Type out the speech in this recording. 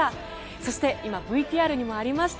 そして今、ＶＴＲにもありました